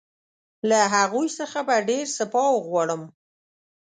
له هغوی څخه به ډېر سپاه وغواړم.